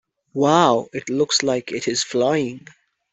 Wow! It looks like it is flying!